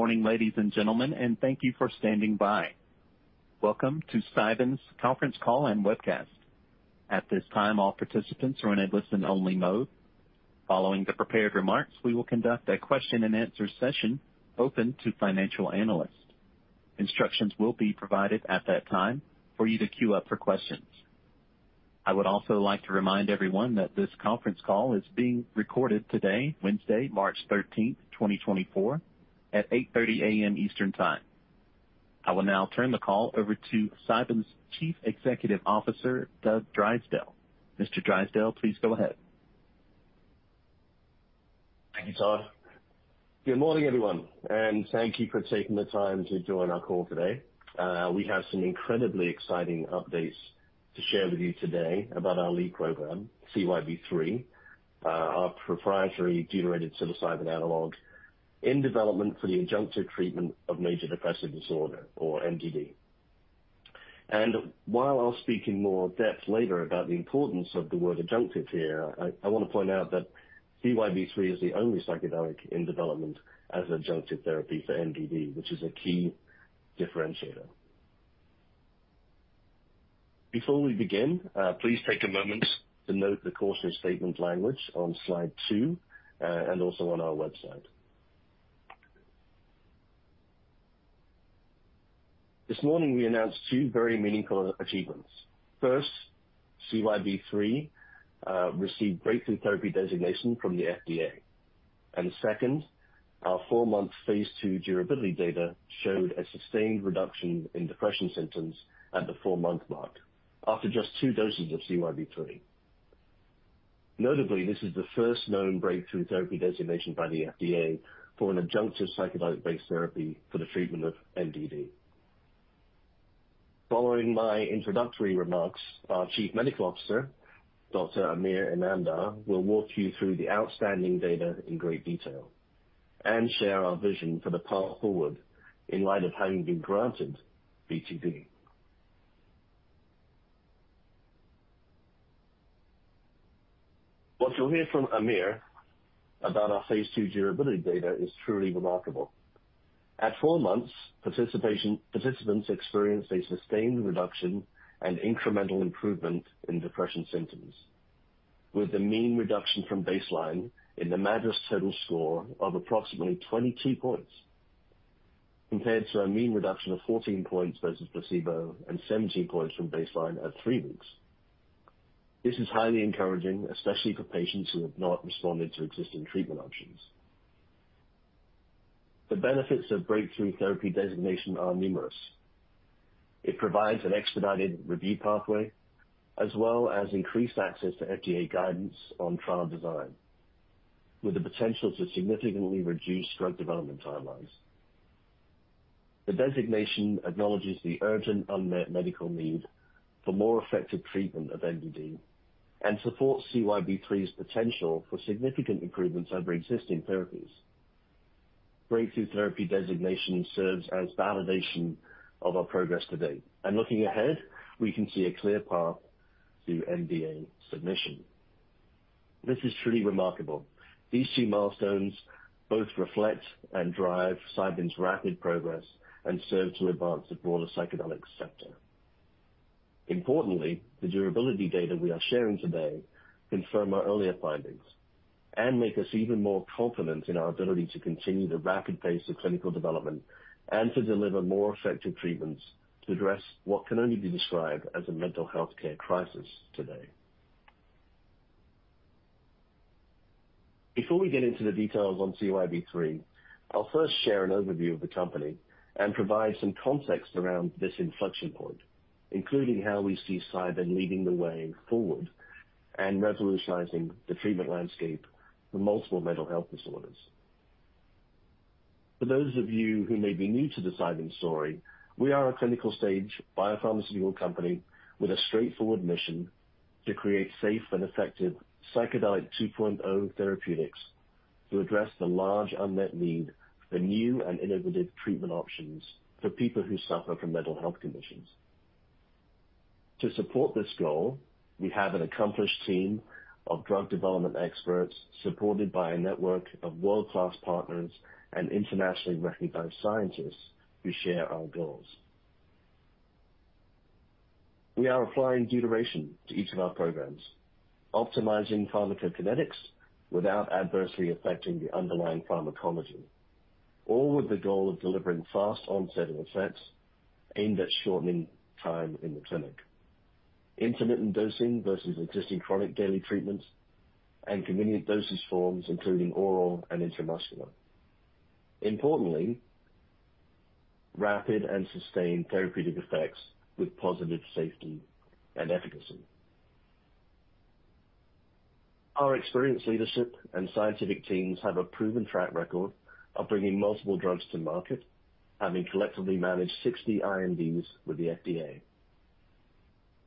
Good morning, ladies and gentlemen, and thank you for standing by. Welcome to Cybin's conference call and webcast. At this time, all participants are in a listen-only mode. Following the prepared remarks, we will conduct a question-and-answer session open to financial analysts. Instructions will be provided at that time for you to queue up for questions. I would also like to remind everyone that this conference call is being recorded today, Wednesday, March 13, 2024, at 8:30 A.M. Eastern Time. I will now turn the call over to Cybin's Chief Executive Officer, Doug Drysdale. Mr. Drysdale, please go ahead. Thank you, Todd. Good morning, everyone, and thank you for taking the time to join our call today. We have some incredibly exciting updates to share with you today about our lead program, CYB003, our proprietary deuterated psilocybin analog in development for the adjunctive treatment of major depressive disorder or MDD. While I'll speak in more depth later about the importance of the word adjunctive here, I, I want to point out that CYB003 is the only psychedelic in development as adjunctive therapy for MDD, which is a key differentiator. Before we begin, please take a moment to note the cautionary statement language on slide two, and also on our website. This morning, we announced two very meaningful achievements. First, CYB003 received breakthrough therapy designation from the FDA. And second, our 4-month Phase 2 durability data showed a sustained reduction in depression symptoms at the 4-month mark after just two doses of CYB003. Notably, this is the first known Breakthrough Therapy Designation by the FDA for an adjunctive psychedelic-based therapy for the treatment of MDD. Following my introductory remarks, our Chief Medical Officer, Dr. Amir Inamdar, will walk you through the outstanding data in great detail and share our vision for the path forward in light of having been granted BTD. What you'll hear from Amir about our Phase 2 durability data is truly remarkable. At 4 months, participants experienced a sustained reduction and incremental improvement in depression symptoms, with a mean reduction from baseline in the MADRS total score of approximately 22 points, compared to a mean reduction of 14 points versus placebo and 17 points from baseline at three weeks. This is highly encouraging, especially for patients who have not responded to existing treatment options. The benefits of breakthrough therapy designation are numerous. It provides an expedited review pathway as well as increased access to FDA guidance on trial design, with the potential to significantly reduce drug development timelines. The designation acknowledges the urgent unmet medical need for more effective treatment of MDD and supports CYB003's potential for significant improvements over existing therapies. Breakthrough therapy designation serves as validation of our progress to date, and looking ahead, we can see a clear path to NDA submission. This is truly remarkable. These two milestones both reflect and drive Cybin's rapid progress and serve to advance the broader psychedelic sector. Importantly, the durability data we are sharing today confirm our earlier findings and make us even more confident in our ability to continue the rapid pace of clinical development and to deliver more effective treatments to address what can only be described as a mental health care crisis today. Before we get into the details on CYB003, I'll first share an overview of the company and provide some context around this inflection point, including how we see Cybin leading the way forward and revolutionizing the treatment landscape for multiple mental health disorders. For those of you who may be new to the Cybin story, we are a clinical-stage biopharmaceutical company with a straightforward mission: to create safe and effective psychedelic 2.0 therapeutics to address the large unmet need for new and innovative treatment options for people who suffer from mental health conditions. To support this goal, we have an accomplished team of drug development experts, supported by a network of world-class partners and internationally recognized scientists who share our goals. We are applying deuteration to each of our programs, optimizing pharmacokinetics without adversely affecting the underlying pharmacology, all with the goal of delivering fast onset of effects aimed at shortening time in the clinic. Intermittent dosing versus existing chronic daily treatments and convenient dosage forms, including oral and intramuscular. Importantly, rapid and sustained therapeutic effects with positive safety and efficacy. Our experienced leadership and scientific teams have a proven track record of bringing multiple drugs to market, having collectively managed 60 INDs with the FDA.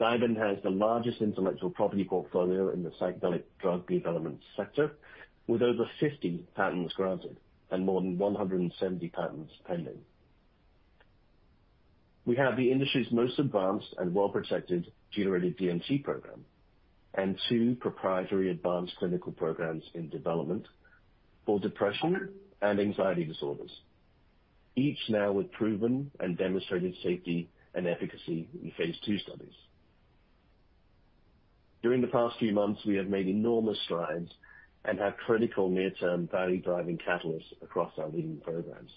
Cybin has the largest intellectual property portfolio in the psychedelic drug development sector, with over 50 patents granted and more than 170 patents pending.... We have the industry's most advanced and well-protected deuterated DMT program and two proprietary advanced clinical programs in development for depression and anxiety disorders. Each now with proven and demonstrated safety and efficacy in Phase 2 studies. During the past few months, we have made enormous strides and have critical near-term value-driving catalysts across our leading programs.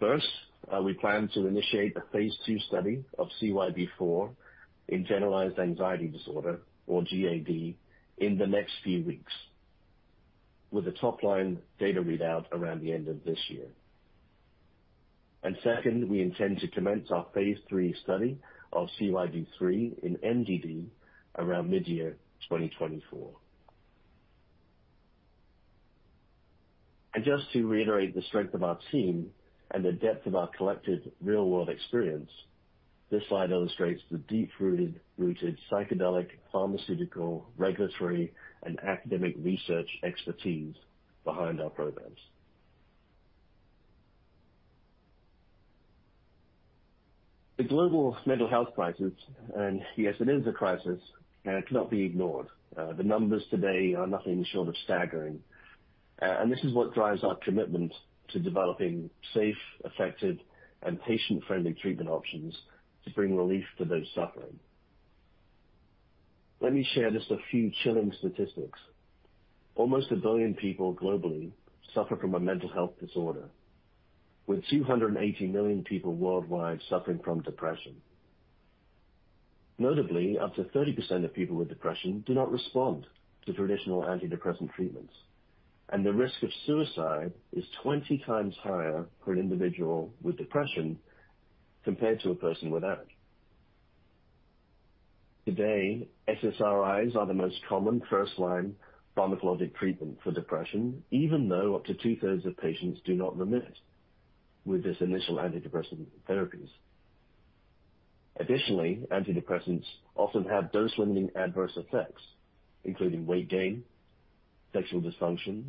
First, we plan to initiate a Phase 2 study of CYB004 in generalized anxiety disorder, or GAD, in the next few weeks, with a top-line data readout around the end of this year. And second, we intend to commence our Phase 3 study of CYB003 in MDD around mid-year 2024. And just to reiterate the strength of our team and the depth of our collective real-world experience, this slide illustrates the deep-rooted psychedelic, pharmaceutical, regulatory, and academic research expertise behind our programs. The global mental health crisis, and yes, it is a crisis, and it cannot be ignored. The numbers today are nothing short of staggering. This is what drives our commitment to developing safe, effective, and patient-friendly treatment options to bring relief to those suffering. Let me share just a few chilling statistics. Almost a billion people globally suffer from a mental health disorder, with 280 million people worldwide suffering from depression. Notably, up to 30% of people with depression do not respond to traditional antidepressant treatments, and the risk of suicide is 20 times higher for an individual with depression compared to a person without. Today, SSRIs are the most common first-line pharmacologic treatment for depression, even though up to two-thirds of patients do not remit with this initial antidepressant therapies. Additionally, antidepressants often have dose-limiting adverse effects, including weight gain, sexual dysfunction,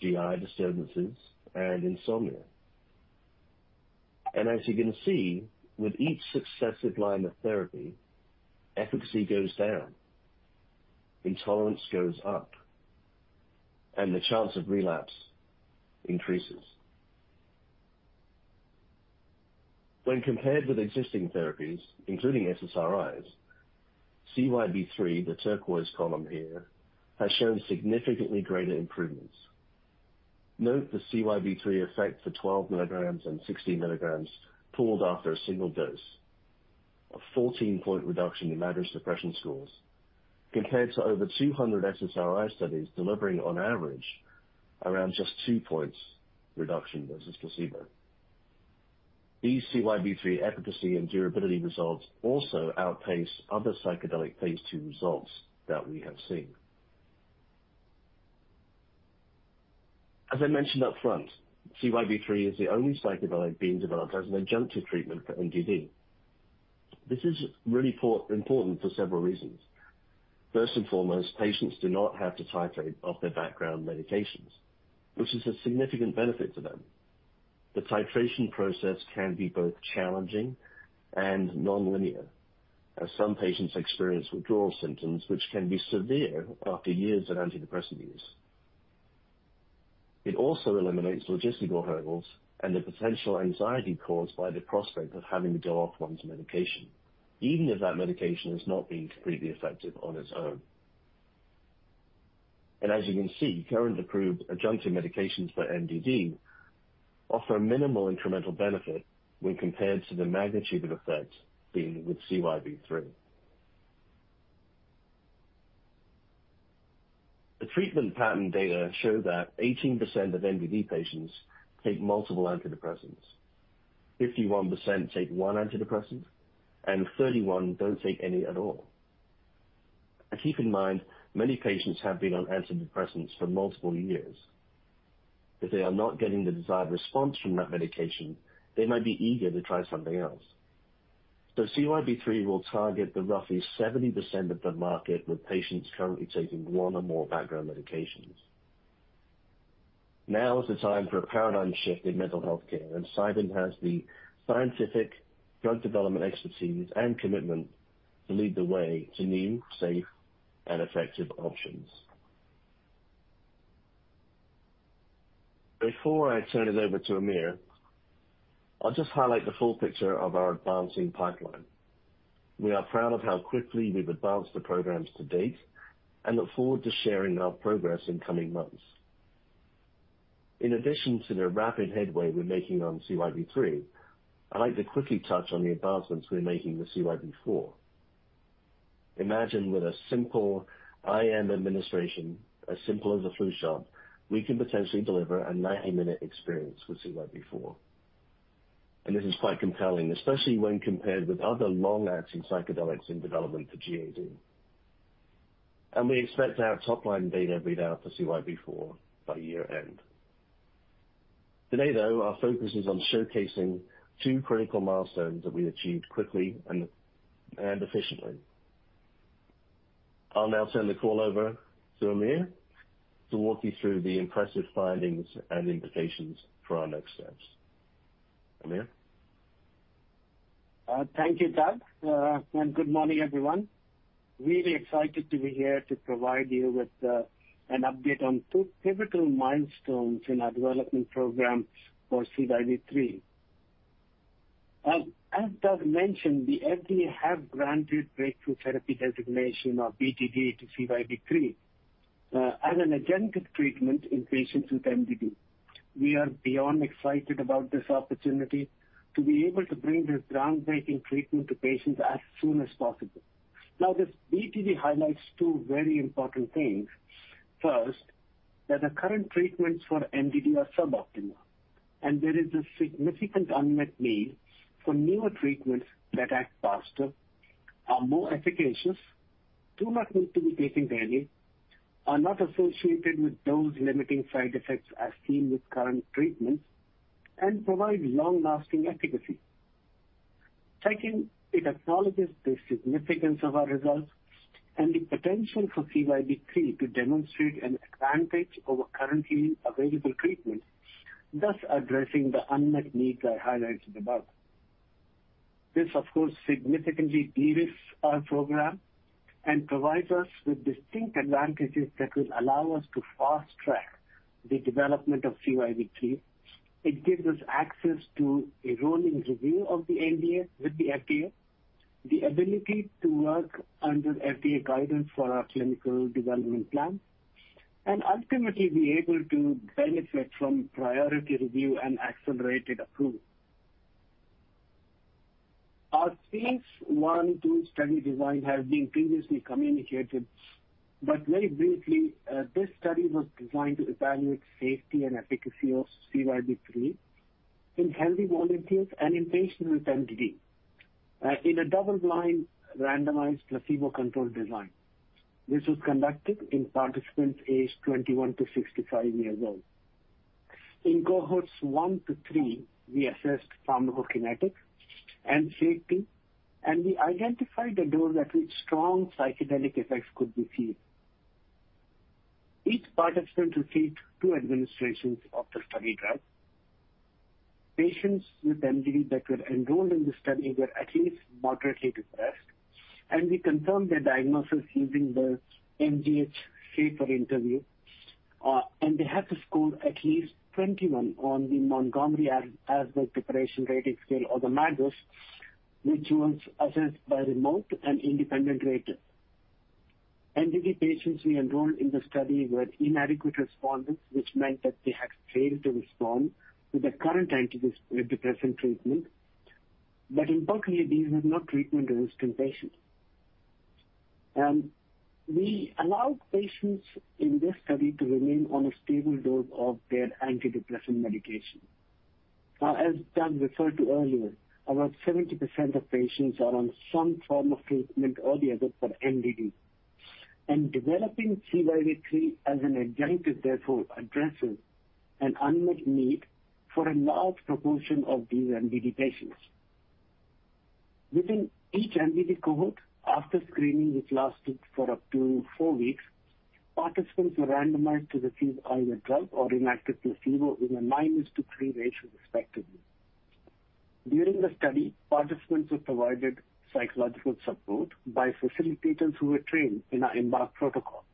GI disturbances, and insomnia. As you can see, with each successive line of therapy, efficacy goes down, intolerance goes up, and the chance of relapse increases. When compared with existing therapies, including SSRIs, CYB003, the turquoise column here, has shown significantly greater improvements. Note the CYB003 effect for 12 mg and 16 mg pooled after a single dose, a 14-point reduction in MADRS depression scores, compared to over 200 SSRI studies, delivering on average around just 2 points reduction versus placebo. These CYB003 efficacy and durability results also outpace other psychedelic Phase 2 results that we have seen. As I mentioned up front, CYB003 is the only psychedelic being developed as an adjunctive treatment for MDD. This is really important for several reasons. First and foremost, patients do not have to titrate off their background medications, which is a significant benefit to them. The titration process can be both challenging and nonlinear, as some patients experience withdrawal symptoms, which can be severe after years of antidepressant use. It also eliminates logistical hurdles and the potential anxiety caused by the prospect of having to go off one's medication, even if that medication has not been previously effective on its own. And as you can see, current approved adjunctive medications for MDD offer a minimal incremental benefit when compared to the magnitude of effect seen with CYB003. The treatment pattern data show that 18% of MDD patients take multiple antidepressants, 51% take one antidepressant, and 31% don't take any at all. And keep in mind, many patients have been on antidepressants for multiple years. If they are not getting the desired response from that medication, they might be eager to try something else. So CYB003 will target the roughly 70% of the market, with patients currently taking one or more background medications. Now is the time for a paradigm shift in mental health care, and Cybin has the scientific drug development expertise and commitment to lead the way to new, safe, and effective options. Before I turn it over to Amir, I'll just highlight the full picture of our advancing pipeline. We are proud of how quickly we've advanced the programs to date and look forward to sharing our progress in coming months. In addition to the rapid headway we're making on CYB003, I'd like to quickly touch on the advancements we're making with CYB004. Imagine with a simple IM administration, as simple as a flu shot, we can potentially deliver a 90-minute experience with CYB004. This is quite compelling, especially when compared with other long-acting psychedelics in development for GAD. We expect to have top-line data readout for CYB004 by year-end. Today, though, our focus is on showcasing two critical milestones that we've achieved quickly and efficiently.... I'll now turn the call over to Amir to walk you through the impressive findings and implications for our next steps. Amir? Thank you, Doug. Good morning, everyone. Really excited to be here to provide you with an update on two pivotal milestones in our development program for CYB003. As Doug mentioned, the FDA have granted breakthrough therapy designation, or BTD, to CYB003, as an adjunctive treatment in patients with MDD. We are beyond excited about this opportunity to be able to bring this groundbreaking treatment to patients as soon as possible. Now, this BTD highlights two very important things. First, that the current treatments for MDD are suboptimal, and there is a significant unmet need for newer treatments that act faster, are more efficacious, do not need to be taken daily, are not associated with dose-limiting side effects as seen with current treatments, and provide long-lasting efficacy. Second, it acknowledges the significance of our results and the potential for CYB003 to demonstrate an advantage over currently available treatments, thus addressing the unmet need I highlighted above. This, of course, significantly de-risks our program and provides us with distinct advantages that will allow us to fast-track the development of CYB003. It gives us access to a rolling review of the NDA with the FDA, the ability to work under FDA guidance for our clinical development plan, and ultimately be able to benefit from priority review and accelerated approval. Our Phase I/II study design has been previously communicated, but very briefly, this study was designed to evaluate safety and efficacy of CYB003 in healthy volunteers and in patients with MDD, in a double-blind, randomized, placebo-controlled design. This was conducted in participants aged 21-65 years old. In cohorts 1-3, we assessed pharmacokinetics and safety, and we identified the dose at which strong psychedelic effects could be seen. Each participant received two administrations of the study drug. Patients with MDD that were enrolled in the study were at least moderately depressed, and we confirmed their diagnosis using the MDD screen for interview. They had to score at least 21 on the Montgomery-Åsberg Depression Rating Scale, or the MADRS, which was assessed by remote and independent rater. MDD patients we enrolled in the study were inadequate respondents, which meant that they had failed to respond to the current antidepressant treatment. But importantly, these were not treatment-resistant patients. We allowed patients in this study to remain on a stable dose of their antidepressant medication. Now, as Doug referred to earlier, about 70% of patients are on some form of treatment or the other for MDD, and developing CYB003 as an adjunctive, therefore, addresses an unmet need for a large proportion of these MDD patients. Within each MDD cohort, after screening, which lasted for up to four weeks, participants were randomized to receive either drug or inactive placebo in a 9-3 ratio, respectively. During the study, participants were provided psychological support by facilitators who were trained in our EMBARK protocol.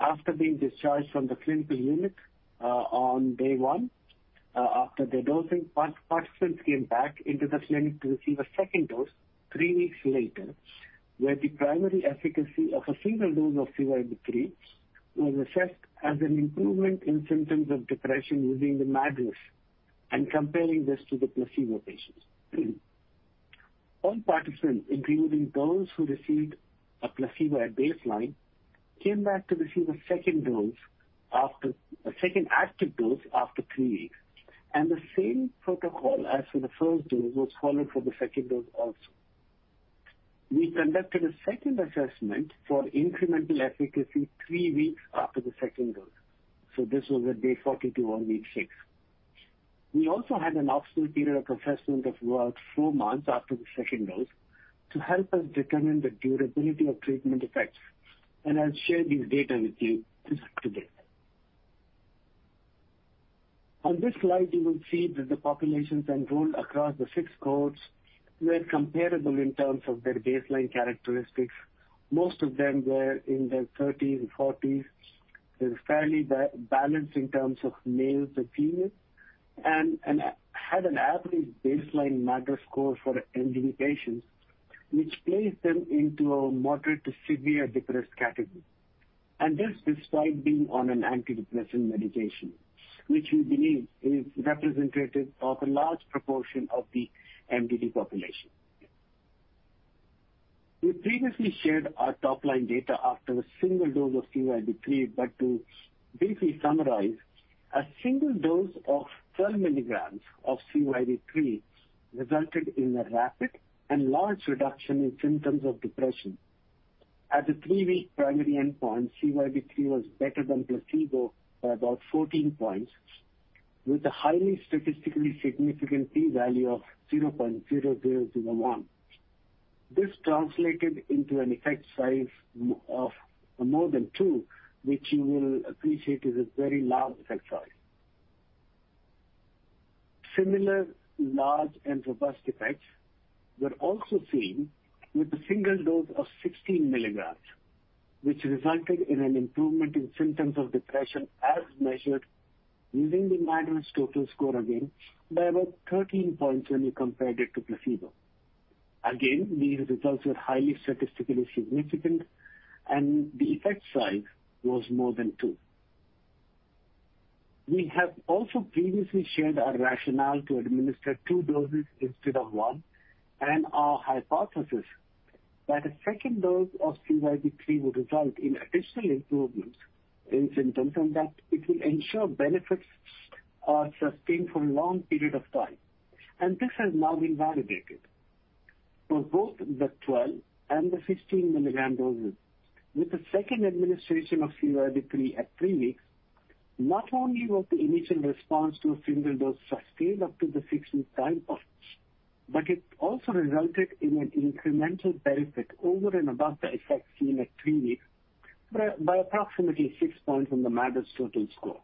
After being discharged from the clinical unit, on day one, after the dosing, participants came back into the clinic to receive a second dose three weeks later, where the primary efficacy of a single dose of CYB003 was assessed as an improvement in symptoms of depression using the MADRS and comparing this to the placebo patients. All participants, including those who received a placebo at baseline, came back to receive a second dose after… a second active dose after 3 weeks, and the same protocol as for the first dose was followed for the second dose also. We conducted a second assessment for incremental efficacy 3 weeks after the second dose, so this was at day 42 or week 6. We also had an optional period of assessment of about 4 months after the second dose to help us determine the durability of treatment effects. I'll share these data with you today. On this slide, you will see that the populations enrolled across the 6 cohorts were comparable in terms of their baseline characteristics. Most of them were in their 30s and 40s. It was fairly balanced in terms of males and females, and had an average baseline MADRS score for MDD patients, which placed them into a moderate to severe depressed category. This despite being on an antidepressant medication, which we believe is representative of a large proportion of the MDD population. We previously shared our top-line data after a single dose of CYB003, but to briefly summarize, a single dose of 12 mg of CYB003 resulted in a rapid and large reduction in symptoms of depression. At the three-week primary endpoint, CYB003 was better than placebo by about 14 points. With a highly statistically significant P-value of 0.0001. This translated into an effect size of more than 2, which you will appreciate is a very large effect size. Similar, large, and robust effects were also seen with a single dose of 16 mg, which resulted in an improvement in symptoms of depression as measured using the MADRS total score, again, by about 13 points when you compared it to placebo. Again, these results were highly statistically significant, and the effect size was more than 2. We have also previously shared our rationale to administer two doses instead of one, and our hypothesis that a second dose of CYB003 will result in additional improvements in symptoms, and that it will ensure benefits are sustained for a long period of time, and this has now been validated. For both the 12- and 16-mg doses, with the second administration of CYB003 at 3 weeks, not only was the initial response to a single dose sustained up to the fixed time points, but it also resulted in an incremental benefit over and above the effect seen at 3 weeks, by approximately 6 points on the MADRS total score.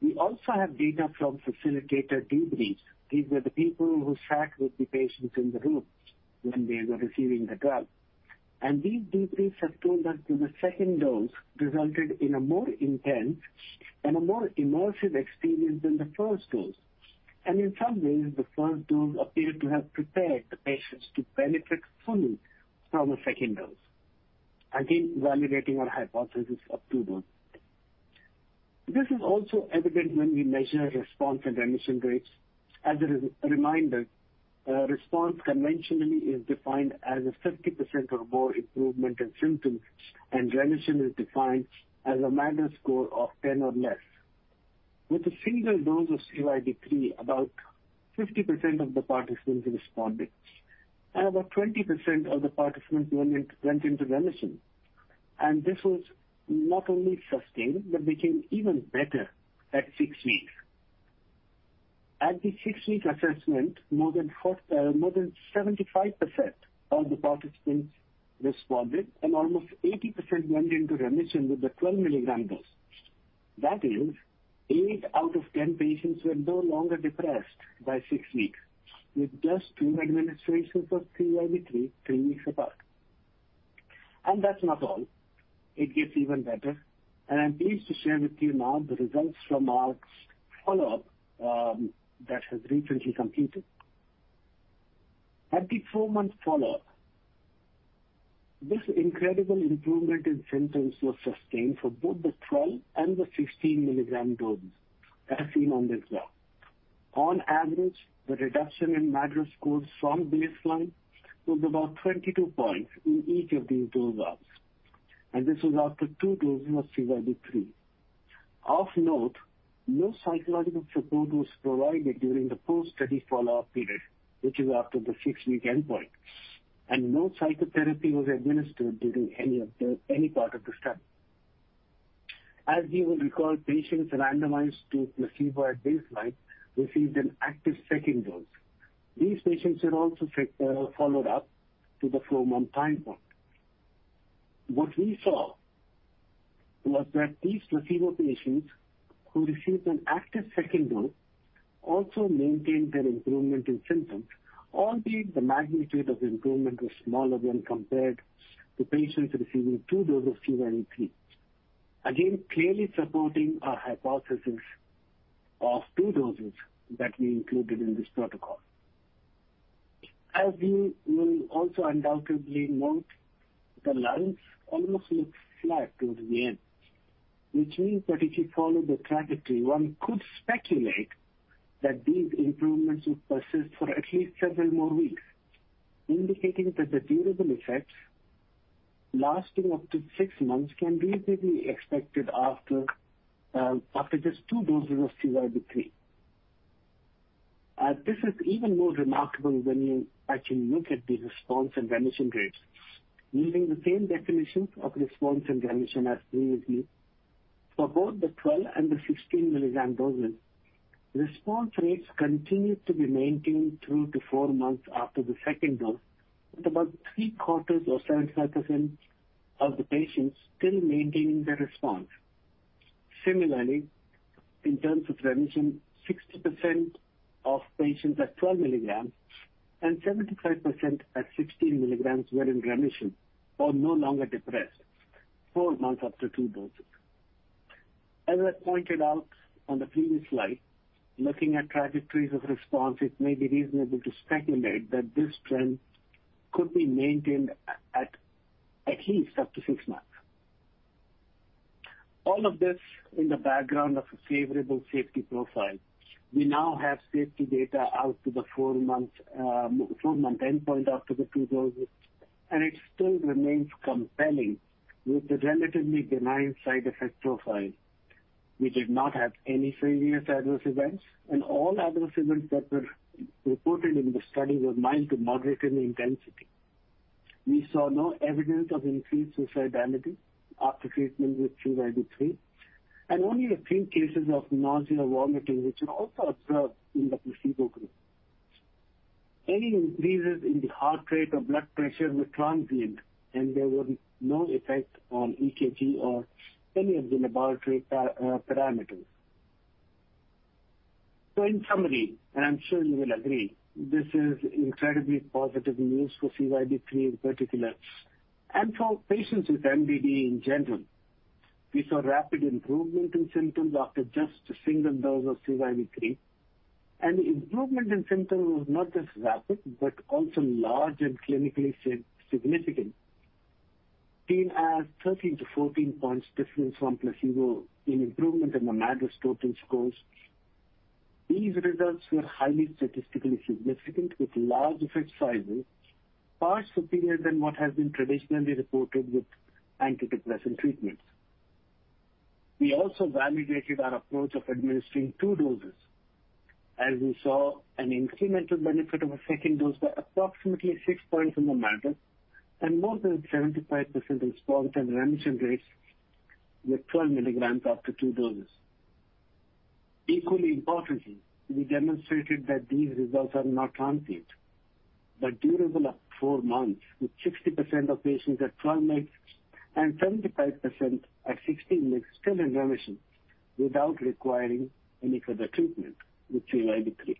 We also have data from facilitator debriefs. These were the people who sat with the patients in the room when they were receiving the drug. These debriefs have told us that the second dose resulted in a more intense and a more immersive experience than the first dose. And in some ways, the first dose appeared to have prepared the patients to benefit fully from a second dose. Again, validating our hypothesis of two doses. This is also evident when we measure response and remission rates. As a reminder, a response conventionally is defined as a 50% or more improvement in symptoms, and remission is defined as a MADRS score of 10 or less. With a single dose of CYB003, about 50% of the participants responded, and about 20% of the participants went into remission. And this was not only sustained but became even better at 6 weeks. At the 6-week assessment, more than half, more than 75% of the participants responded, and almost 80% went into remission with the 12 mg dose. That is, 8 out of 10 patients were no longer depressed by 6 weeks, with just 2 administrations of CYB003, 3 weeks apart. And that's not all. It gets even better, and I'm pleased to share with you now the results from our follow-up that has recently completed. At the 4-month follow-up, this incredible improvement in symptoms was sustained for both the 12- and 16-mg doses, as seen on this graph. On average, the reduction in MADRS scores from baseline was about 22 points in each of these dose arms, and this was after 2 doses of CYB003. Of note, no psychological support was provided during the post-study follow-up period, which is after the 6-week endpoint, and no psychotherapy was administered during any part of the study. As you will recall, patients randomized to placebo at baseline received an active second dose. These patients were also followed up to the 4-month time point. What we saw was that these placebo patients who received an active second dose also maintained their improvement in symptoms, albeit the magnitude of improvement was smaller when compared to patients receiving 2 doses of CYB003. Again, clearly supporting our hypothesis of two doses that we included in this protocol. As you will also undoubtedly note, the lines almost look flat towards the end, which means that if you follow the trajectory, one could speculate that these improvements will persist for at least several more weeks, indicating that the durable effects lasting up to six months can reasonably be expected after, after just two doses of CYB003. This is even more remarkable when you actually look at the response and remission rates. Using the same definitions of response and remission as previously, for both the 12- and 16-mg doses, response rates continued to be maintained through to four months after the second dose, with about three-quarters or 75% of the patients still maintaining their response. Similarly, in terms of remission, 60% of patients at 12 mg and 75% at 16 mg were in remission or no longer depressed 4 months after 2 doses. As I pointed out on the previous slide, looking at trajectories of response, it may be reasonable to speculate that this trend could be maintained at least up to 6 months. All of this in the background of a favorable safety profile. We now have safety data out to the 4-month endpoint after the 2 doses, and it still remains compelling with the relatively benign side effect profile. We did not have any serious adverse events, and all adverse events that were reported in the study were mild to moderate in intensity. We saw no evidence of increased suicidality after treatment with CYB003, and only a few cases of nausea or vomiting, which are also observed in the placebo group. Any increases in the heart rate or blood pressure were transient, and there was no effect on EKG or any of the laboratory parameters. So in summary, and I'm sure you will agree, this is incredibly positive news for CYB003 in particular, and for patients with MDD in general. We saw rapid improvement in symptoms after just a single dose of CYB003, and the improvement in symptoms was not just rapid, but also large and clinically significant, seen as 13-14 points difference from placebo in improvement in the MADRS total scores. These results were highly statistically significant, with large effect sizes, far superior than what has been traditionally reported with antidepressant treatments. We also validated our approach of administering 2 doses, as we saw an incremental benefit of a second dose by approximately 6 points in the MADRS, and more than 75% response and remission rates with 12 mg after 2 doses. Equally importantly, we demonstrated that these results are not transient, but durable up to 4 months, with 60% of patients at 12 mg and 75% at 16 mg still in remission without requiring any further treatment with CYB003.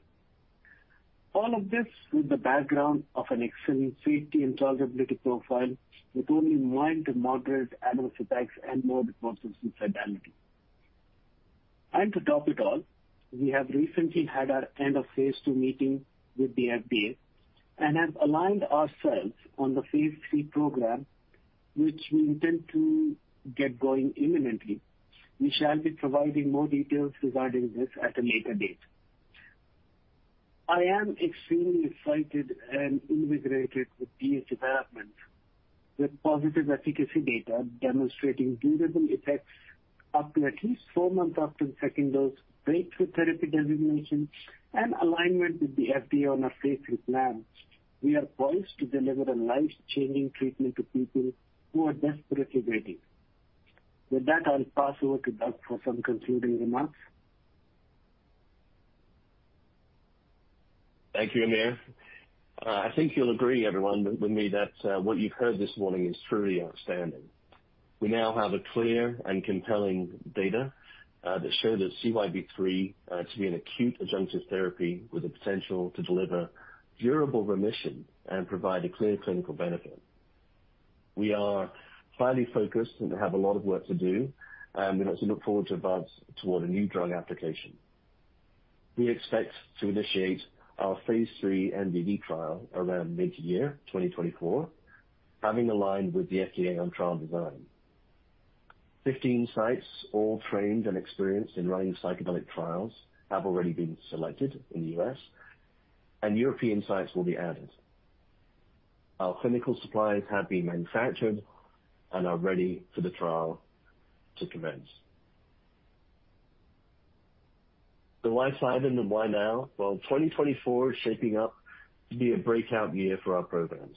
All of this with the background of an excellent safety and tolerability profile, with only mild to moderate adverse effects and no reports of suicidality. And to top it all, we have recently had our end of Phase 2 meeting with the FDA and have aligned ourselves on the Phase 3 program, which we intend to get going imminently. We shall be providing more details regarding this at a later date. I am extremely excited and invigorated with this development. With positive efficacy data demonstrating durable effects up to at least four months after the second dose, breakthrough therapy designation, and alignment with the FDA on our Phase 3 plan, we are poised to deliver a life-changing treatment to people who are desperately waiting. With that, I'll pass over to Doug for some concluding remarks. Thank you, Amir. I think you'll agree, everyone, with me that what you've heard this morning is truly outstanding. We now have a clear and compelling data that show that CYB003 to be an acute adjunctive therapy with the potential to deliver durable remission and provide a clear clinical benefit. We are finally focused and have a lot of work to do, and as we look forward to advance toward a new drug application. We expect to initiate our Phase 3 MDD trial around mid-2024, having aligned with the FDA on trial design. 15 sites, all trained and experienced in running psychedelic trials, have already been selected in the U.S., and European sites will be added. Our clinical supplies have been manufactured and are ready for the trial to commence. So why Cybin and why now? Well, 2024 is shaping up to be a breakout year for our programs.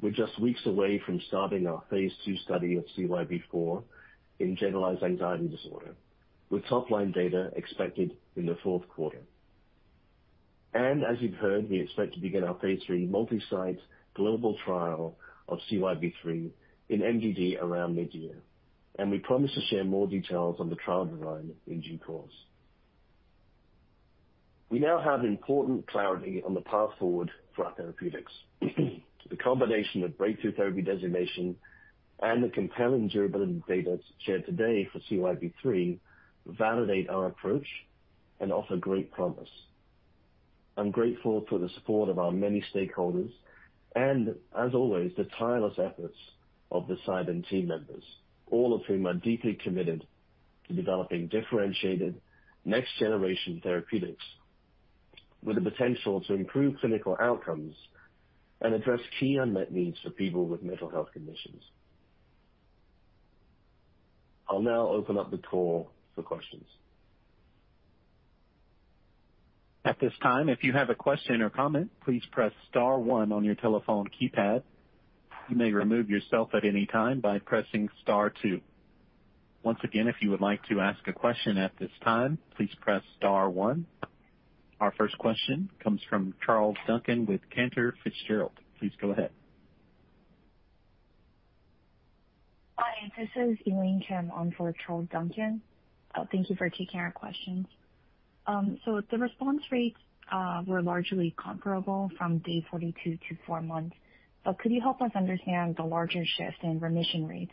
We're just weeks away from starting our Phase 2 study of CYB004 in generalized anxiety disorder, with top-line data expected in the fourth quarter. As you've heard, we expect to begin our Phase 3 multi-site global trial of CYB003 in MDD around midyear, and we promise to share more details on the trial design in due course. We now have important clarity on the path forward for our therapeutics. The combination of breakthrough therapy designation and the compelling durability data shared today for CYB003 validate our approach and offer great promise. I'm grateful for the support of our many stakeholders and, as always, the tireless efforts of the Cybin team members, all of whom are deeply committed to developing differentiated next-generation therapeutics with the potential to improve clinical outcomes and address key unmet needs for people with mental health conditions. I'll now open up the call for questions. At this time, if you have a question or comment, please press star one on your telephone keypad. You may remove yourself at any time by pressing star two. Once again, if you would like to ask a question at this time, please press star one. Our first question comes from Charles Duncan with Cantor Fitzgerald. Please go ahead. Hi, this is Elaine Kim on for Charles Duncan. Thank you for taking our questions. So the response rates were largely comparable from day 42 to 4 months, but could you help us understand the larger shift in remission rates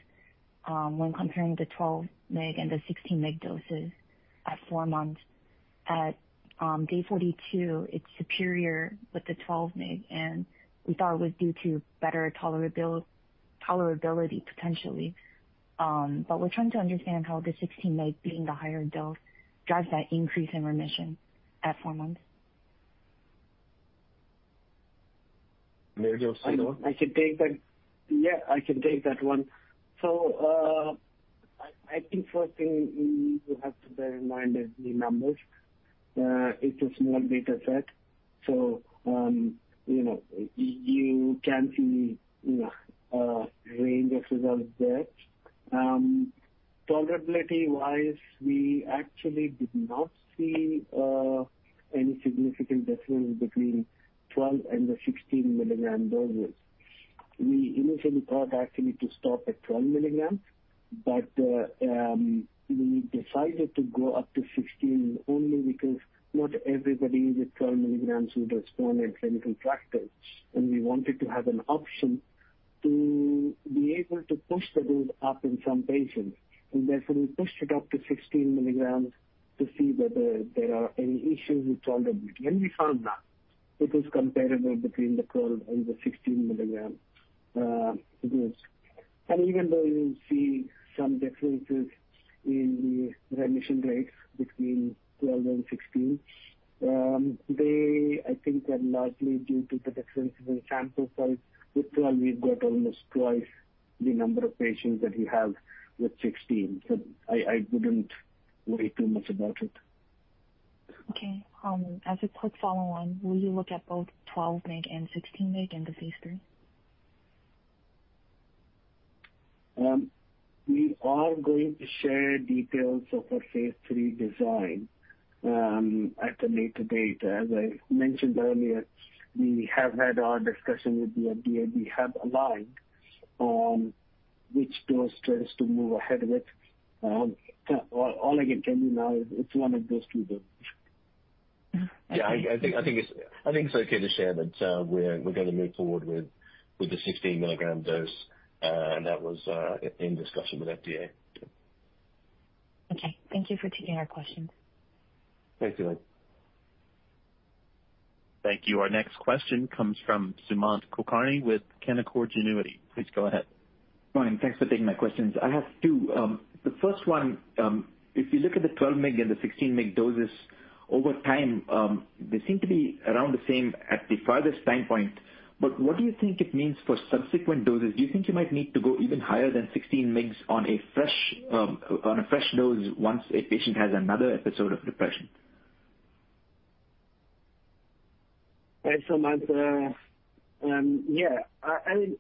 when comparing the 12 mg and the 16 mg doses at 4 months? At day 42, it's superior with the 12 mg, and we thought it was due to better tolerability, potentially. But we're trying to understand how the 16 mg, being the higher dose, drives that increase in remission at 4 months. Amir, do you want to say more? I can take that. Yeah, I can take that one. So, I think first thing we need to have to bear in mind is the numbers. It's a small data set, so, you know, you can see, you know, a range of results there. Tolerability-wise, we actually did not see any significant difference between 12 and the 16 mg doses. We initially thought actually to stop at 12 mg, but, we decided to go up to 16 only because not everybody with 12 mg would respond in clinical practice, and we wanted to have an option to be able to push the dose up in some patients. And therefore, we pushed it up to 16 mg to see whether there are any issues with tolerability. And we found none. It was comparable between the 12 and the 16 mg groups. Even though you see some differences in the remission rates between 12 and 16, they, I think, are largely due to the differences in sample size. With 12, we've got almost twice the number of patients that we have with 16. So I wouldn't worry too much about it. Okay. As a quick follow on, will you look at both 12 mg and 16 mg in the Phase 3? We are going to share details of our Phase 3 design at a later date. As I mentioned earlier, we have had our discussion with the FDA. We have aligned on which dose trials to move ahead with. All I can tell you now is it's one of those 2 doses. Mm-hmm. Yeah, I think it's okay to share that we're gonna move forward with the 16-mg dose, and that was in discussion with FDA. Okay. Thank you for taking our questions. Thanks, Elaine. Thank you. Our next question comes from Sumanth Kulkarni with Canaccord Genuity. Please go ahead. Morning. Thanks for taking my questions. I have two. The first one, if you look at the 12 mg and the 16 mg doses over time, they seem to be around the same at the farthest time point. But what do you think it means for subsequent doses? Do you think you might need to go even higher than 16 mgs on a fresh, on a fresh dose once a patient has another episode of depression? Hi, Sumanth. Yeah, I mean,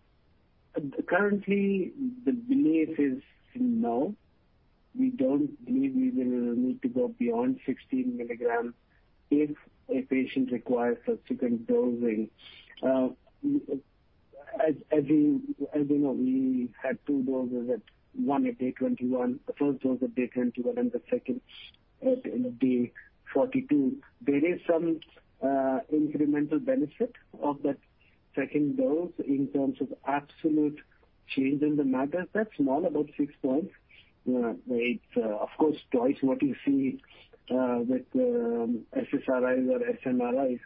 currently, the belief is no. We don't believe we will need to go beyond 16 mg if a patient requires subsequent dosing. As you know, we had two doses, one at day 21. The first dose at day 21, and the second at day 42. There is some incremental benefit of that second dose in terms of absolute change in the MADRS. That's small, about 6 points. It's, of course, twice what you see with SSRIs or SNRIs.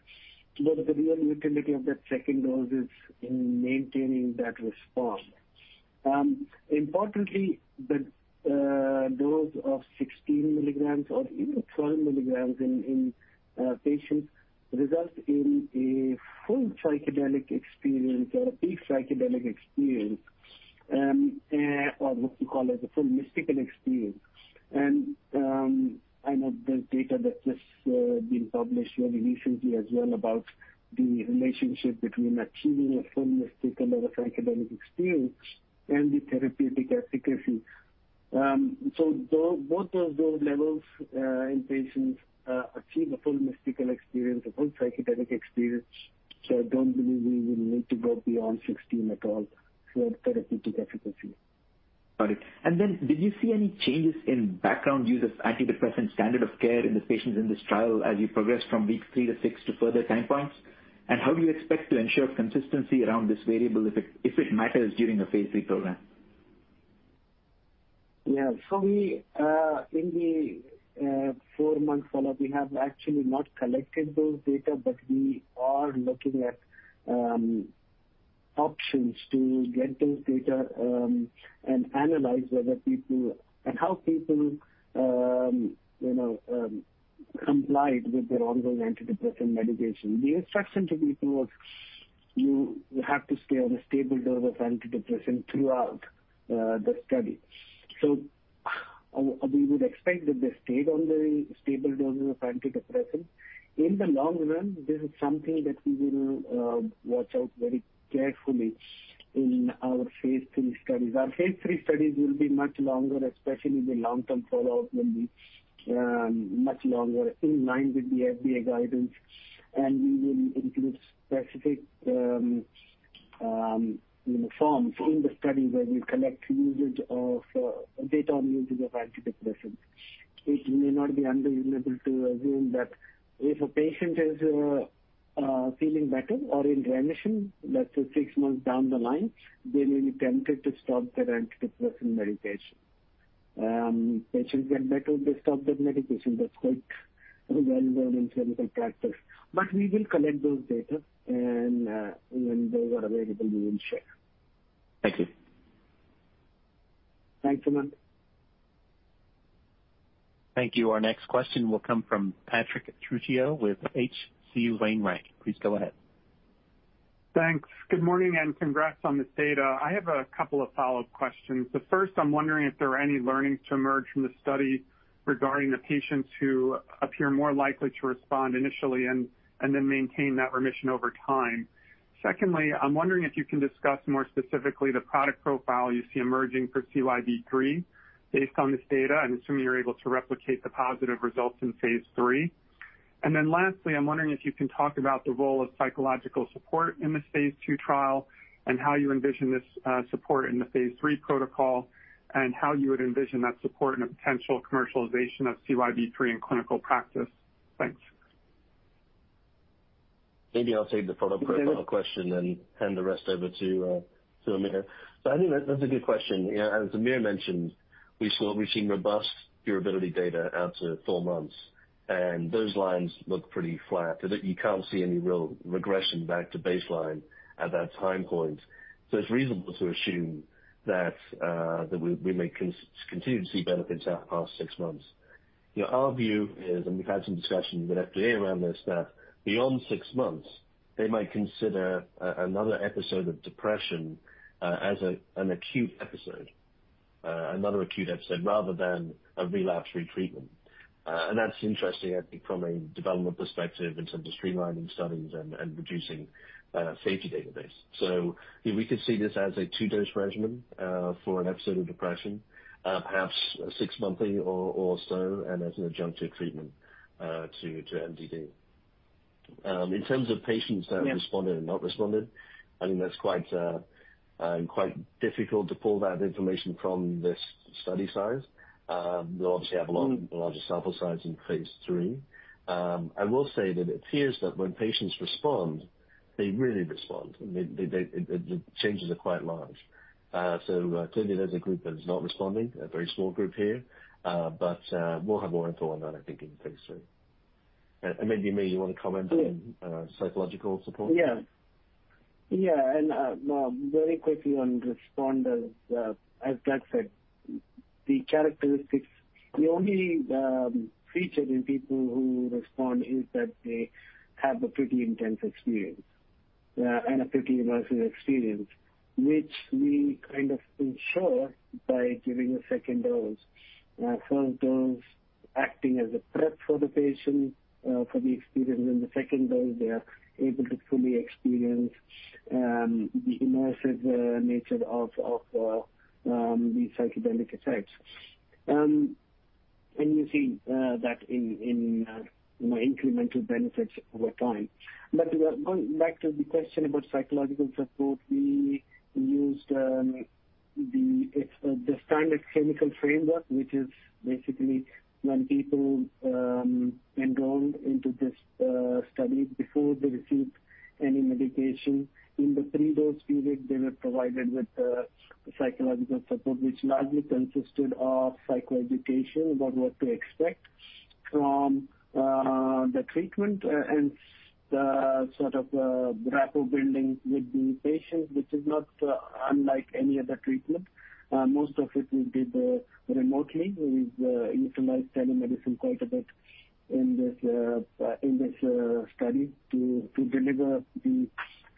But the real utility of that second dose is in maintaining that response. Importantly, the dose of 16 mg, or even 12 mg in patients, results in a full psychedelic experience or a peak psychedelic experience, or what you call it, a full mystical experience. And, I know there's data that's just been published very recently as well, about the relationship between achieving a full mystical or a psychedelic experience and the therapeutic efficacy. So both of those levels, in patients, achieve a full mystical experience, a full psychedelic experience, so I don't believe we will need to go beyond 16 at all for therapeutic efficacy. Got it. And then did you see any changes in background use of antidepressant standard of care in the patients in this trial as you progressed from week 3 to 6 to further time points? And how do you expect to ensure consistency around this variable, if it, if it matters during the Phase 3 program? Yeah. So we, in the, 4-month follow-up, we have actually not collected those data, but we are looking at, options to get those data, and analyze whether people and how people, you know, complied with their ongoing antidepressant medication. The instruction to people was, "You, you have to stay on a stable dose of antidepressant throughout, the study." So we would expect that they stayed on very stable doses of antidepressants. In the long run, this is something that we will, watch out very carefully in our Phase 3 studies. Our Phase 3 studies will be much longer, especially the long-term follow-up will be, much longer in line with the FDA guidance. And we will include specific, you know, forms in the study where we collect usage of, data on usage of antidepressants. It may not be unreasonable to assume that if a patient is feeling better or in remission, let's say six months down the line, they may be tempted to stop their antidepressant medication. Patients get better, they stop their medication. That's quite well known in clinical practice. But we will collect those data, and when those are available, we will share. Thank you. Thanks, Sumanth. Thank you. Our next question will come from Patrick Trucchio with H.C. Wainwright. Please go ahead. Thanks. Good morning, and congrats on this data. I have a couple of follow-up questions. The first, I'm wondering if there are any learnings to emerge from the study regarding the patients who appear more likely to respond initially and then maintain that remission over time. Secondly, I'm wondering if you can discuss more specifically the product profile you see emerging for CYB003 based on this data. I'm assuming you're able to replicate the positive results in Phase 3. And then lastly, I'm wondering if you can talk about the role of psychological support in the Phase 2 trial, and how you envision this support in the Phase 3 protocol, and how you would envision that support in a potential commercialization of CYB003 in clinical practice. Thanks. Maybe I'll take the product profile question and hand the rest over to Amir. So I think that that's a good question. You know, as Amir mentioned, we've seen robust durability data out to four months, and those lines look pretty flat. So that you can't see any real regression back to baseline at that time point. So it's reasonable to assume that we may continue to see benefits out past six months. You know, our view is, and we've had some discussions with FDA around this, that beyond six months, they might consider another episode of depression as an acute episode, another acute episode rather than a relapse/retreatment. And that's interesting, I think, from a development perspective in terms of streamlining studies and reducing safety database. So if we could see this as a two-dose regimen, for an episode of depression, perhaps six monthly or so, and as an adjunctive treatment, to MDD. In terms of patients that responded and not responded, I think that's quite difficult to pull that information from this study size. We'll obviously have a lot larger sample size in Phase 3. I will say that it appears that when patients respond, they really respond. I mean, the changes are quite large. So clearly, there's a group that is not responding, a very small group here, but we'll have more info on that, I think, in Phase 3. And maybe, Amir, you want to comment on psychological support? Yeah. Yeah, and very quickly on responders, as Doug said, the characteristics—the only feature in people who respond is that they have a pretty intense experience and a pretty immersive experience, which we kind of ensure by giving a second dose. First dose acting as a prep for the patient for the experience, and the second dose, they are able to fully experience the immersive nature of the psychedelic effects. And you see that in you know, incremental benefits over time. But going back to the question about psychological support, we used the standard clinical framework, which is basically when people enrolled into this study before they received any medication. In the 3-dose period, they were provided with psychological support, which largely consisted of psychoeducation about what to expect from the treatment and the sort of rapport building with the patients, which is not unlike any other treatment. Most of it we did remotely. We've utilized telemedicine quite a bit in this study to deliver the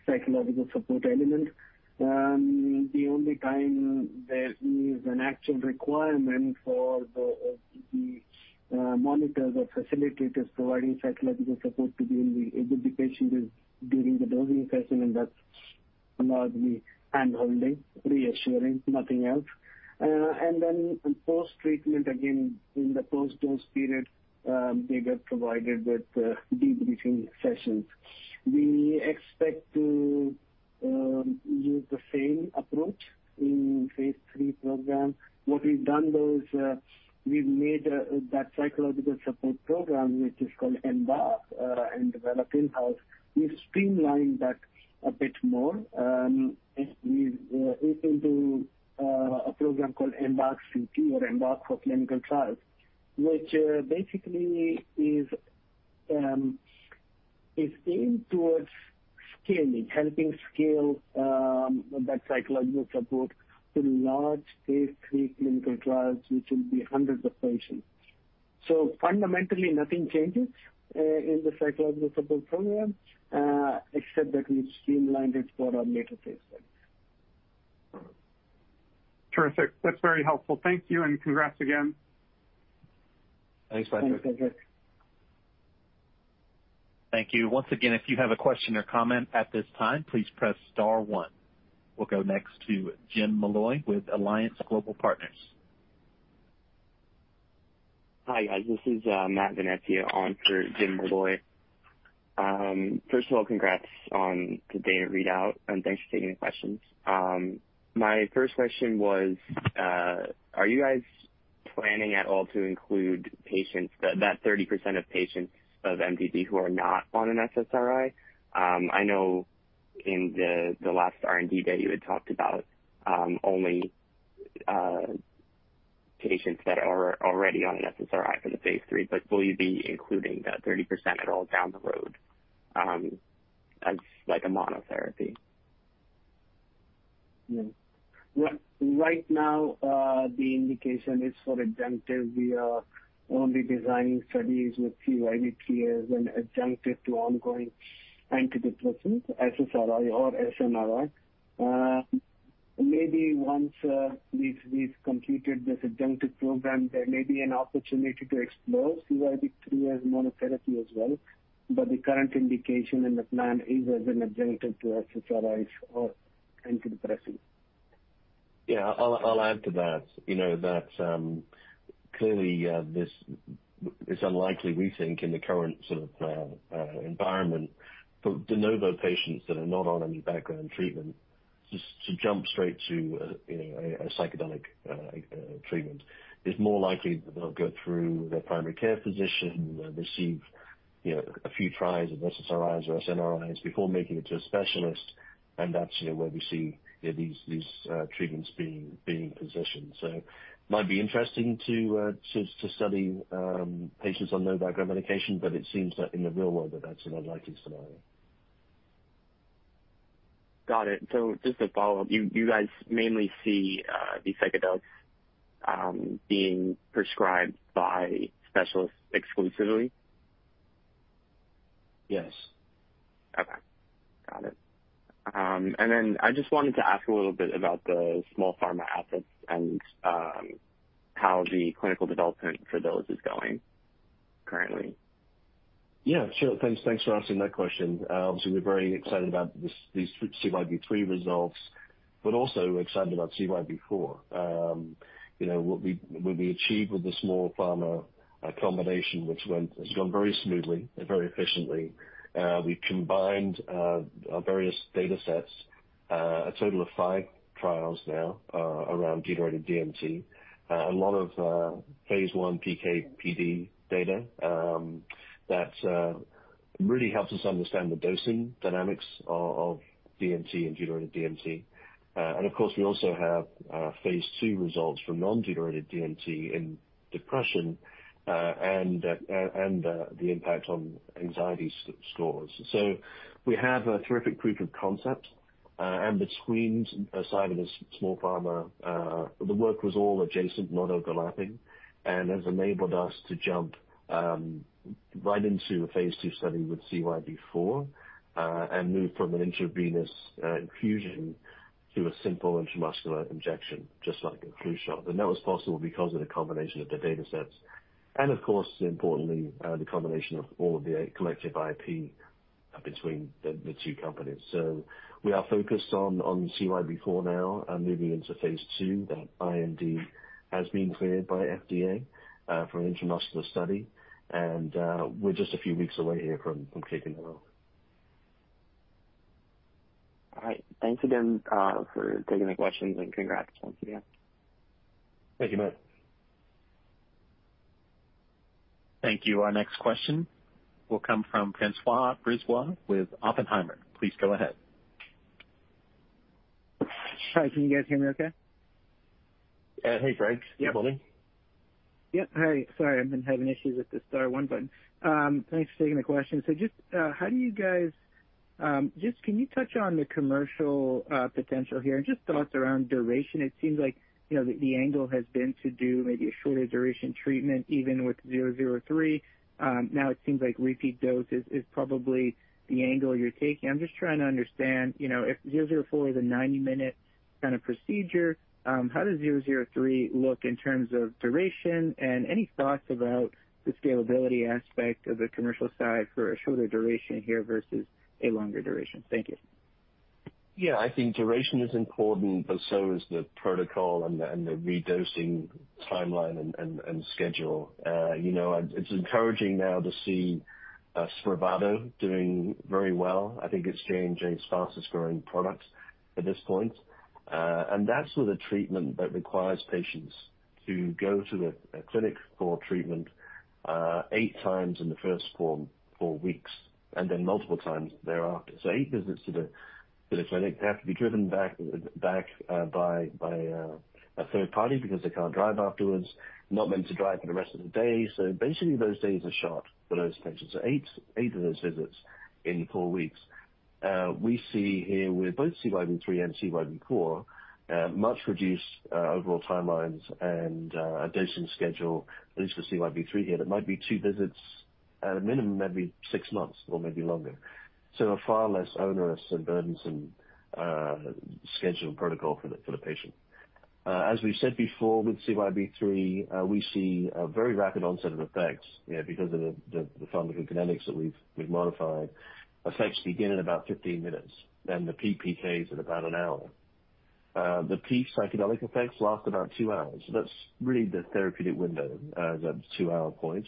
psychological support element. The only time there is an actual requirement for the monitors or facilitators providing psychological support to be in the... It would be patient is during the dosing session, and that's largely handholding, reassuring, nothing else. And then post-treatment, again, in the post-dose period, they get provided with debriefing sessions. We expect to use the same approach in Phase 3 program. What we've done though is, we've made that psychological support program, which is called EMBARK, and developed in-house. We've streamlined that a bit more into a program called EMBARK-CT or EMBARK for clinical trials, which basically is aimed towards scaling, helping scale that psychological support to large Phase 3 clinical trials, which will be hundreds of patients. So fundamentally, nothing changes in the psychological support program except that we've streamlined it for our later phase studies. Terrific. That's very helpful. Thank you, and congrats again. Thanks, Patrick. Thanks, Patrick. Thank you. Once again, if you have a question or comment at this time, please press star one. We'll go next to Jim Malloy with Alliance Global Partners. Hi, guys. This is Matt Venezia on for Jim Malloy. First of all, congrats on the data readout, and thanks for taking the questions. My first question was, are you guys planning at all to include patients, that 30% of patients of MDD who are not on an SSRI? I know in the last R&D day, you had talked about only patients that are already on an SSRI for the Phase 3, but will you be including that 30% at all down the road, as like a monotherapy?... Yeah. Right now, the indication is for adjunctive. We are only designing studies with CYB003 as an adjunctive to ongoing antidepressants, SSRI or SNRI. Maybe once we've completed this adjunctive program, there may be an opportunity to explore CYB003 as monotherapy as well. But the current indication in the plan is as an adjunctive to SSRIs or antidepressants. Yeah, I'll add to that. You know, that, clearly, this is unlikely, we think, in the current sort of, environment for de novo patients that are not on any background treatment, just to jump straight to, you know, a psychedelic treatment. It's more likely that they'll go through their primary care physician, receive, you know, a few tries of SSRIs or SNRIs before making it to a specialist, and that's, you know, where we see these treatments being positioned. So it might be interesting to study patients on no background medication, but it seems that in the real world, that's an unlikely scenario. Got it. So just to follow up, you, you guys mainly see, the psychedelics, being prescribed by specialists exclusively? Yes. Okay. Got it. And then I just wanted to ask a little bit about the Small Pharma assets and how the clinical development for those is going currently. Yeah, sure. Thanks, thanks for asking that question. So we're very excited about this, these CYB003 results, but also we're excited about CYB004. You know, what we achieved with the Small Pharma combination, which has gone very smoothly and very efficiently. We've combined our various data sets, a total of 5 trials now, around deuterated DMT. A lot of Phase 1 PK/PD data that really helps us understand the dosing dynamics of DMT and deuterated DMT. And of course, we also have Phase 2 results from non-deuterated DMT in depression, and the impact on anxiety scores. So we have a terrific proof of concept. and between psilocybin and Small Pharma, the work was all adjacent, not overlapping, and has enabled us to jump right into a Phase 2 study with CYB004, and move from an intravenous infusion to a simple intramuscular injection, just like a flu shot. And that was possible because of the combination of the datasets and, of course, importantly, the combination of all of the collective IP between the two companies. So we are focused on CYB004 now and moving into Phase 2. That IND has been cleared by FDA for an intramuscular study, and we're just a few weeks away here from kicking that off. All right. Thanks again for taking the questions, and congrats once again. Thank you, Matt. Thank you. Our next question will come from Francois Brisebois with Oppenheimer. Please go ahead. Hi, can you guys hear me okay? Hey, Frank. Yep. Good morning. Yep. Hi. Sorry, I've been having issues with the star one button. Thanks for taking the question. So just, how do you guys... Just can you touch on the commercial potential here and just thoughts around duration? It seems like, you know, the angle has been to do maybe a shorter duration treatment, even with CYB003. Now it seems like repeat doses is probably the angle you're taking. I'm just trying to understand, you know, if CYB004 is a 90-minute kind of procedure, how does CYB003 look in terms of duration? And any thoughts about the scalability aspect of the commercial side for a shorter duration here versus a longer duration? Thank you. Yeah. I think duration is important, but so is the protocol and the redosing timeline and schedule. You know, it's encouraging now to see Spravato doing very well. I think it's change, it's fastest growing product at this point. And that's with a treatment that requires patients to go to a clinic for treatment 8 times in the first 4 weeks, and then multiple times thereafter. So 8 visits to the clinic. They have to be driven back by a third party because they can't drive afterwards. Not meant to drive for the rest of the day. So basically, those days are shot for those patients. So 8 of those visits in 4 weeks. We see here, with both CYB003 and CYB004, much reduced overall timelines and a dosing schedule, at least for CYB003 here, that might be two visits at a minimum, every six months or maybe longer. So a far less onerous and burdensome schedule and protocol for the patient. As we've said before, with CYB003, we see a very rapid onset of effects, you know, because of the pharmacokinetics that we've modified. Effects begin in about 15 minutes, and the peak PK is at about 1 hour. The peak psychedelic effects last about two hours. So that's really the therapeutic window, that two-hour point.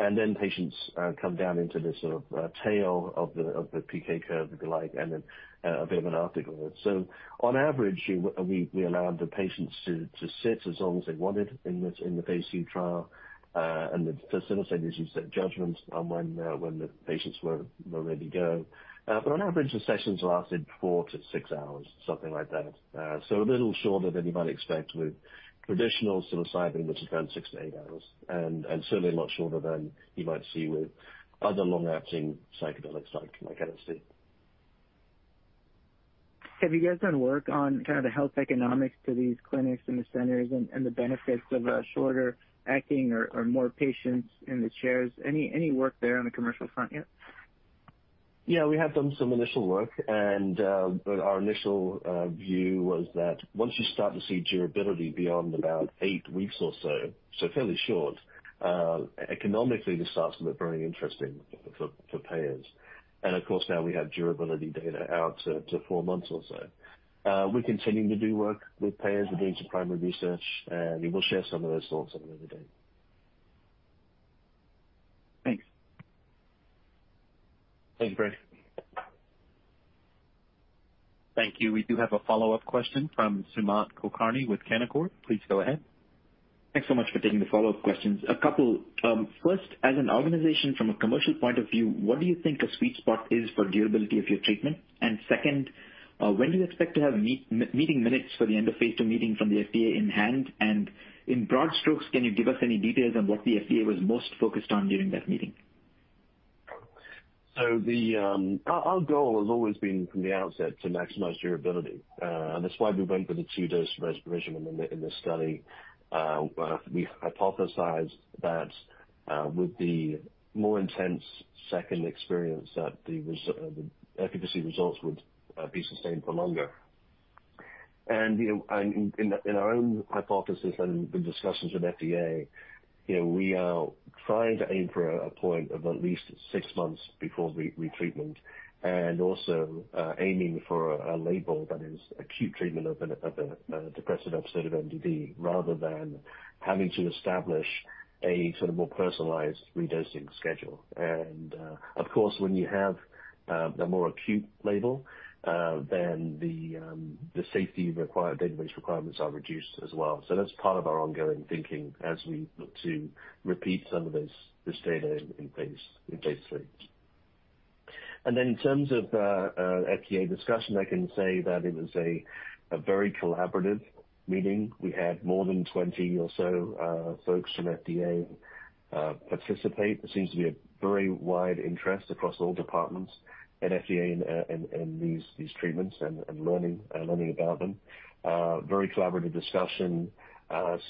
And then patients come down into the sort of tail of the PK curve, if you like, and then a bit of an afterglow. So on average, we allowed the patients to sit as long as they wanted in the Phase 2 trial. And the facilitator used their judgment on when the patients were ready to go. But on average, the sessions lasted 4-6 hours, something like that. So a little shorter than you might expect with traditional psilocybin, which is around 6-8 hours, and certainly a lot shorter than you might see with other long-acting psychedelics like LSD.... Have you guys done work on kind of the health economics to these clinics and the centers and the benefits of a shorter acting or more patients in the chairs? Any work there on the commercial front yet? Yeah, we have done some initial work, and, but our initial view was that once you start to see durability beyond about eight weeks or so, so fairly short, economically, this starts to look very interesting for, for payers. And of course, now we have durability data out to, to four months or so. We're continuing to do work with payers and doing some primary research, and we will share some of those thoughts another day. Thanks. Thanks, Frank. Thank you. We do have a follow-up question from Sumanth Kulkarni with Canaccord Genuity. Please go ahead. Thanks so much for taking the follow-up questions. A couple. First, as an organization, from a commercial point of view, what do you think a sweet spot is for durability of your treatment? And second, when do you expect to have meeting minutes for the end of Phase 2 meeting from the FDA in hand? And in broad strokes, can you give us any details on what the FDA was most focused on during that meeting? Our goal has always been from the outset to maximize durability. That's why we went with the two-dose regimen in the study. Where we hypothesized that with the more intense second experience, the efficacy results would be sustained for longer. And you know, in our own hypothesis and the discussions with FDA, you know, we are trying to aim for a point of at least six months before retreatment. Also, aiming for a label that is acute treatment of a depressive episode of MDD, rather than having to establish a sort of more personalized redosing schedule. Of course, when you have a more acute label, then the safety required database requirements are reduced as well. So that's part of our ongoing thinking as we look to repeat some of this data in Phase 3. And then in terms of FDA discussion, I can say that it was a very collaborative meeting. We had more than 20 or so folks from FDA participate. There seems to be a very wide interest across all departments at FDA in these treatments and learning about them. Very collaborative discussion.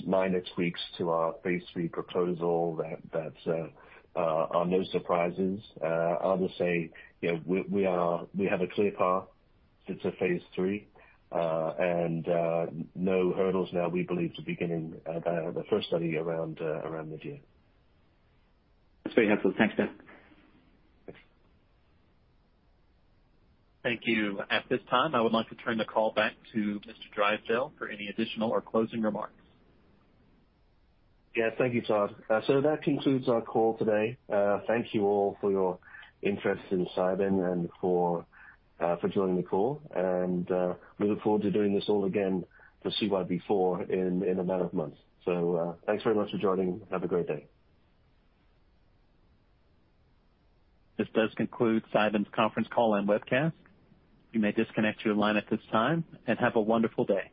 Minor tweaks to our Phase 3 proposal that are no surprises. I'll just say, you know, we have a clear path to Phase 3, and no hurdles now, we believe, to beginning our first study around midyear. That's very helpful. Thanks, Dan. Thanks. Thank you. At this time, I would like to turn the call back to Mr. Drysdale for any additional or closing remarks. Yeah, thank you, Todd. So that concludes our call today. Thank you all for your interest in Cybin and for joining the call. And we look forward to doing this all again for CYB004 in a matter of months. So, thanks very much for joining. Have a great day. This does conclude Cybin's conference call and webcast. You may disconnect your line at this time, and have a wonderful day.